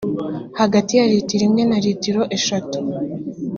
hagati ya litiro imwe na litiro eshatu